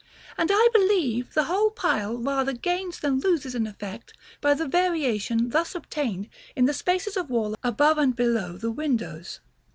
And I believe the whole pile rather gains than loses in effect by the variation thus obtained in the spaces of wall above and below the windows.